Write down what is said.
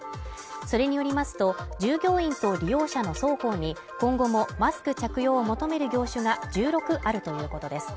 それによりますと、従業員と利用者の双方に今後もマスク着用を求める業種が１６あるということです。